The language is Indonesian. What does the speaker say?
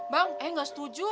bang eh gak setuju